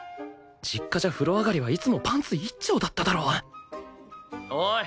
実家じゃ風呂上がりはいつもパンツ一丁だっただろおい！